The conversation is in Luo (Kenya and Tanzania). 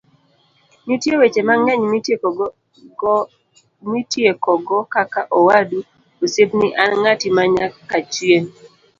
nitie weche mang'eny mitiekogo kaka;'owadu, osiepni, an ng'ati manyakachieng'